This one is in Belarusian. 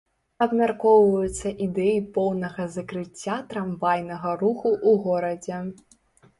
Абмяркоўваюцца ідэі поўнага закрыцця трамвайнага руху ў горадзе.